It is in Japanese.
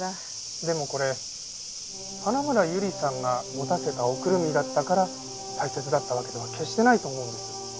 でもこれ花村友梨さんが持たせたおくるみだったから大切だったわけでは決してないと思うんです。